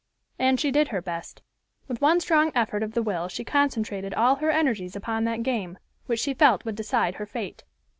And she did her best. With one strong effort of the will she concentrated all her energies upon that game, which she felt would decide her fate.